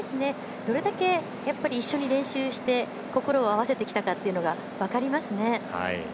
どれだけ一緒に練習して心を合わせてきたか分かりますね。